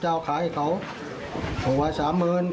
เจ้าพายไปเศษเล็ก